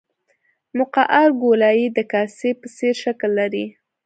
مقعر ګولایي د کاسې په څېر شکل لري